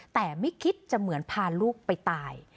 แต่ไม่คิดจะเหมือนพาลูกไปตาย